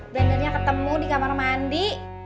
blendernya ketemu di kamar mandi